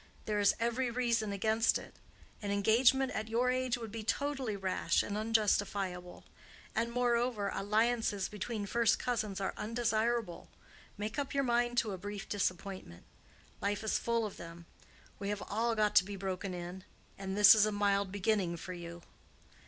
There is every reason against it. An engagement at your age would be totally rash and unjustifiable; and moreover, alliances between first cousins are undesirable. Make up your mind to a brief disappointment. Life is full of them. We have all got to be broken in; and this is a mild beginning for you."